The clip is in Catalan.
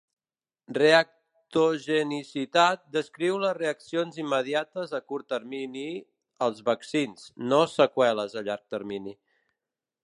Reactogenicitat descriu les reaccions immediates a curt termini als vaccins, no seqüeles a llarg termini.